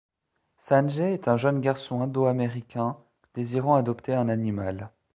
Sanjay est un jeune garçon indo-américain désirant adopter un animal.